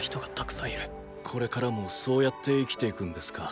これからもそうやって生きていくんですか？